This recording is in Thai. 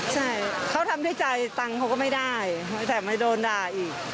ใช่เขาทำด้วยใจตังค์เขาก็ไม่ได้แต่ไม่โดนด่าอีก